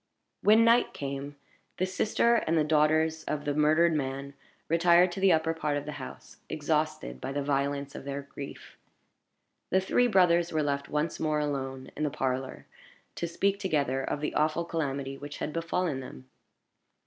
When night came, the sister and the daughters of the murdered man retired to the upper part of the house, exhausted by the violence of their grief. The three brothers were left once more alone in the parlor, to speak together of the awful calamity which had befallen them.